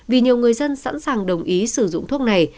vì nhiều người dân sẵn sàng đồng ý sử dụng thuốc này